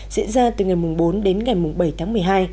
diễn ra từ ngày bốn đến ngày bảy tháng một mươi hai